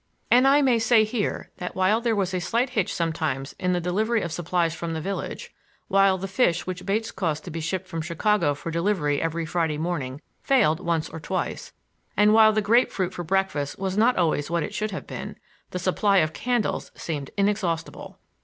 And I may say here, that while there was a slight hitch sometimes in the delivery of supplies from the village; while the fish which Bates caused to be shipped from Chicago for delivery every Friday morning failed once or twice, and while the grape fruit for breakfast was not always what it should have been,—the supply of candles seemed inexhaustible.